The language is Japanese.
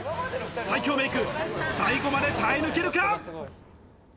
最強メイク、最後まで耐え抜けるか？